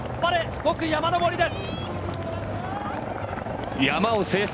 ５区・山上りです。